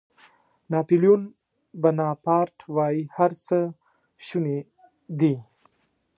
ناپیلیون بناپارټ وایي هر څه شوني دي.